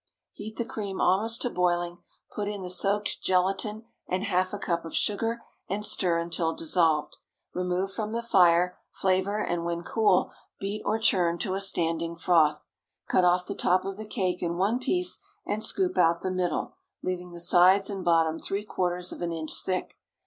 Heat the cream almost to boiling; put in the soaked gelatine and half a cup of sugar, and stir until dissolved. Remove from the fire, flavor, and when cool, beat or churn to a standing froth. Cut off the top of the cake in one piece, and scoop out the middle, leaving the sides and bottom three quarters of an inch thick.